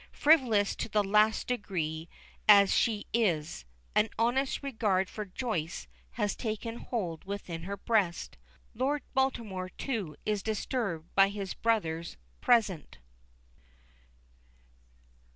Frivolous to the last degree as she is, an honest regard for Joyce has taken hold within her breast. Lord Baltimore, too, is disturbed by his brother's present.